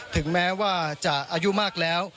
ถึงแม้ว่าจะอายุมากแล้ว